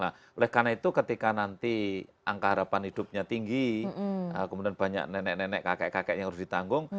nah oleh karena itu ketika nanti angka harapan hidupnya tinggi kemudian banyak nenek nenek kakek kakek yang harus ditanggung